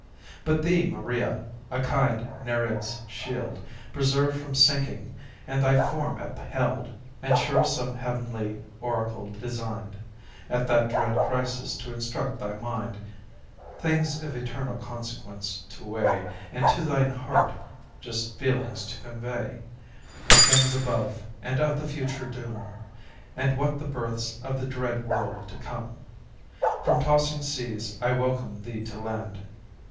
But thee, Maria, a kind Nereid's shield Preserv'd from sinking, and thy form upheld: And sure some heav'nly oracle design'd At that dread crisis to instruct thy mind Things of eternal consequence to weigh, And to thine heart just feelings to convey Of things above, and of the future doom, And what the births of the dread world to come. From tossing seas I welcome thee to land.